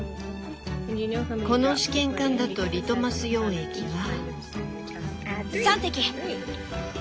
この試験管だとリトマス溶液は。